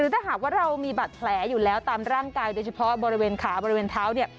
ถ้าหากว่าเรามีบาดแผลอยู่แล้วตามร่างกายโดยเฉพาะบริเวณขาบริเวณเท้าเนี่ย